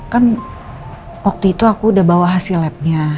kan waktu itu aku udah bawa hasil labnya